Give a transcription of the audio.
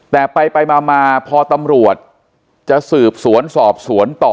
แต่ไปมาพอตำรวจจะสืบสวนสอบสวนต่อ